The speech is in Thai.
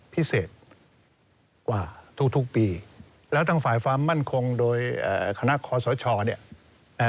พิเศษกว่าทุกทุกปีแล้วทั้งฝ่ายความมั่นคงโดยเอ่อคณะคอสชเนี่ยเอ่อ